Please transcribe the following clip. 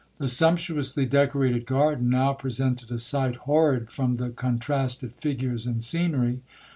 The sumptuously decorated garden now presented a sight horrid from the contrasted figures and scenery.